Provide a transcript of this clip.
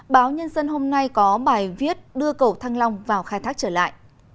báo nhân dân hôm nay có bài viết đưa cầu thăng long vào khai thác trở lại